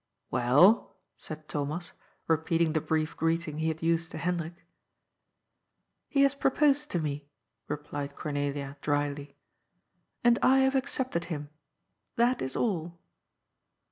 " Well ?" said Thomas, repeating the brief greeting he had used to Hendrik. " He has proposed to me," replied Cornelia dryly, "and I have accepted him. That is all."